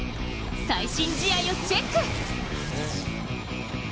最新試合をチェック！